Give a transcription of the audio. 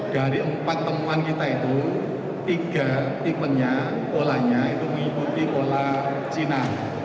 dari empat temuan kita itu tiga tipenya polanya itu mengikuti pola cina